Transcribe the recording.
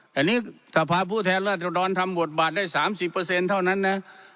แต่นี้ทภาพผู้แทนรัฐศดรทำบทบาทได้สามสี่เปอร์เซ็นต์เท่านั้นนะ